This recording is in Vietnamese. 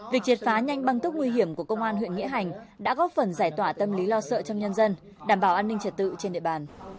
việc triệt phá nhanh băng tốc nguy hiểm của công an huyện nghĩa hành đã góp phần giải tỏa tâm lý lo sợ trong nhân dân đảm bảo an ninh trật tự trên địa bàn